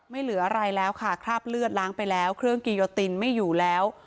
เหลืออะไรแล้วค่ะคราบเลือดล้างไปแล้วเครื่องกิโยตินไม่อยู่แล้ว